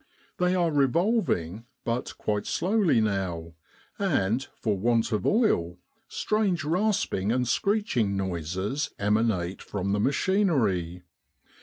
They are revolving but slowly now, and for want of oil strange rasping and screeching noises emanate from the machinery.